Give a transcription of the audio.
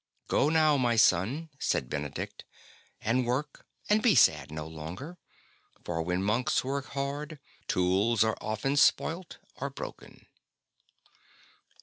" Go now, my son,'' said Benedict, '' and work, and be sad no longer, for when monks work hard, tools are often spoilt or broken."